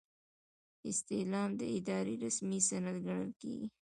استعلام د ادارې رسمي سند ګڼل کیږي.